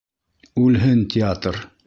Үлһен театр!